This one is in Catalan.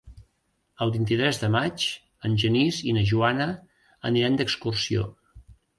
El vint-i-tres de maig en Genís i na Joana aniran d'excursió.